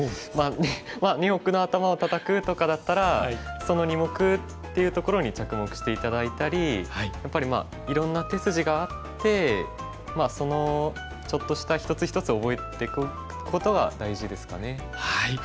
まあ二目の頭をタタくとかだったらその「二目」っていうところに着目して頂いたりやっぱりまあいろんな手筋があってそのちょっとした一つ一つを覚えていくことが大事ですかね。